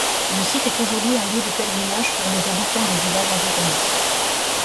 Le site est aujourd'hui un lieu de pèlerinage pour les habitants des villages environnants.